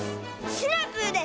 シナプーです！